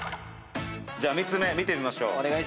じゃあ３つ目見てみましょう。